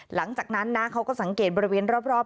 หลังจากนั้นนะเขาก็สังเกตบริเวณรอบ